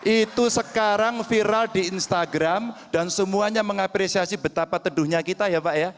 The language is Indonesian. itu sekarang viral di instagram dan semuanya mengapresiasi betapa teduhnya kita ya pak ya